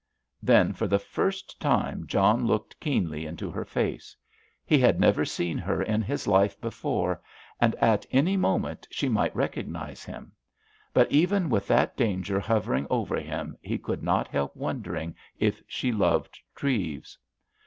Then for the first time John looked keenly into her face. He had never seen her in his life before, and at any moment she might recognise him. But even with that danger hovering over him he could not help wondering if she loved Treves.